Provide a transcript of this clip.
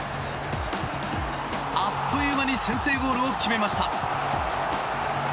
あっという間に先制ゴールを決めました。